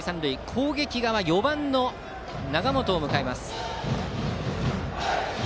攻撃側、４番の永本を迎えます。